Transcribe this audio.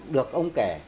được ông kể